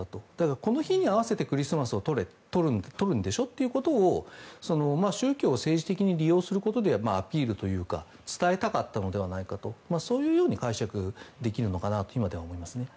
この日に合わせて、クリスマスをとるんでしょということを宗教を政治的に利用することでアピールというか伝えたかったのではないかとそういうように解釈できるのかなと今では思いますね。